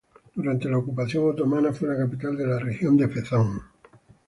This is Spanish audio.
Durante la ocupación otomana fue la capital de la región de Fezzan.